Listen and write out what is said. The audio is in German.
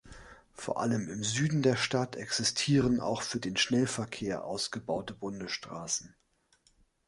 Vor allem im Süden der Stadt existieren auch für den Schnellverkehr ausgebaute Bundesstraßen.